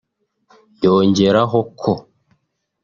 yongeraho ko